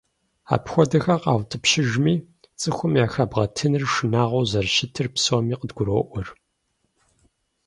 Апхуэдэхэр къаутӏыпщыжми, цӀыхум яхэбгъэтыныр шынагъуэу зэрыщытыр псоми къыдгуроӏуэр.